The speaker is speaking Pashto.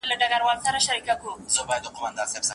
که پند وي نو بریالی یې.